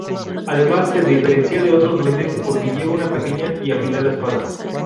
Además, se diferencia de otros duendes porque lleva una pequeña y afilada espada.